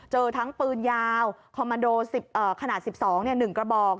เจอทั้งปืนยาวคอมมันโดขนาด๑๒๑กระบอก